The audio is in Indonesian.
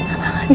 lu juga tua jadi